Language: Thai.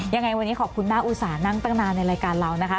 ยังไงวันนี้ขอบคุณน่าอุสานั่งตั้งนานในรายการเรานะคะ